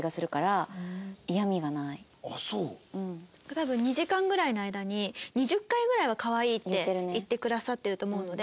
多分２時間ぐらいの間に２０回ぐらいは「かわいい」って言ってくださってると思うので。